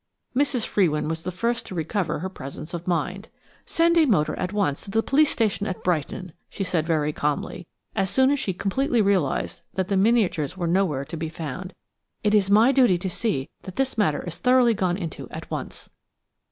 Mrs. Frewin was the first to recover her presence of mind. "Send a motor at once to the police station at Brighton," she said very calmly, as soon as she completely realised that the miniatures were nowhere to be found. "It is my duty to see that this matter is thoroughly gone into at once."